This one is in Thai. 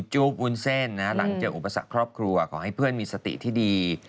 หลังเจออุปสรรคครอบครัวขอให้เพื่อนมีสติที่ดี